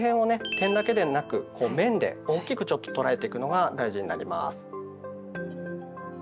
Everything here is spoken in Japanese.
点だけでなく面で大きくちょっと捉えていくのが大事になります。